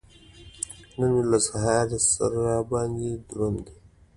نن مې له سهاره سر را باندې دروند دی.